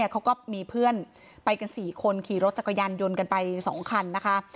เขาก็มีเพื่อนไปกัน๔คนขี่รถจักรยานยนต์กันไป๒คันนะคะ